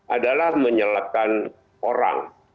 adalah menyelatkan orang